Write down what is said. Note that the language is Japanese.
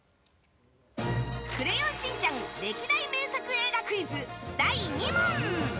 「クレヨンしんちゃん」歴代名作映画クイズ、第２問。